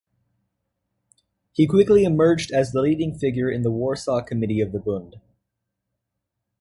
He quickly emerged as the leading figure in the Warsaw Committee of the Bund.